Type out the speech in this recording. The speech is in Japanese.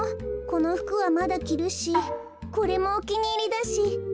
このふくはまだきるしこれもおきにいりだし。